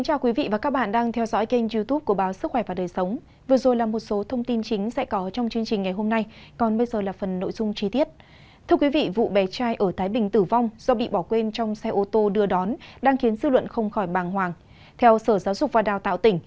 các bạn hãy đăng kí cho kênh lalaschool để không bỏ lỡ những video hấp dẫn